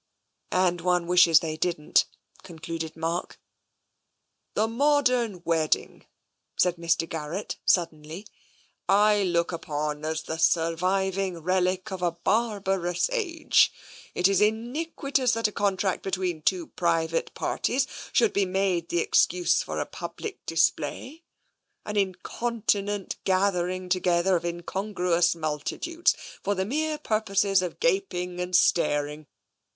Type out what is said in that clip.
" And one wishes they didn't," concluded Mark. The modern wedding," said Mr. Garrett suddenly, I look upon as the surviving relic of a barbarous age. It is iniquitous that a contract between two private parties should be made the excuse for a public display, an incontinent gathering together of incongruous mul titudes, for the mere purposes of gaping and staring.